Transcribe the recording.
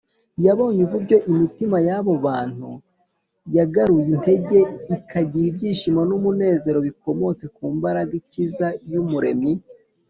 yabonye uburyo imitima y’abo bantu yagaruye intege, ikagira ibyishimo n’umunezero bikomotse ku mbaraga ikiza y’umuremyi